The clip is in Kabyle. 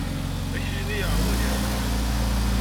Akli-nni yeɛreḍ ad yerwel.